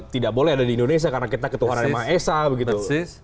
tidak boleh ada di indonesia karena kita ketuhanan dari ma'a esa begitu